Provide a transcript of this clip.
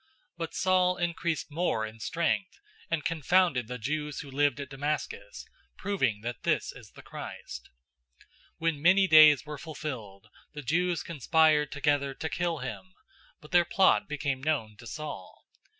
009:022 But Saul increased more in strength, and confounded the Jews who lived at Damascus, proving that this is the Christ. 009:023 When many days were fulfilled, the Jews conspired together to kill him, 009:024 but their plot became known to Saul.